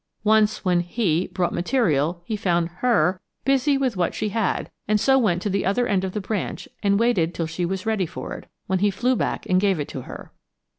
Once when he (?) brought material he found her (?) busy with what she had, and so went to the other end of the branch, and waited till she was ready for it, when he flew back and gave it to her.